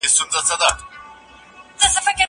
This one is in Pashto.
زه بايد ښوونځی ته ولاړ سم!!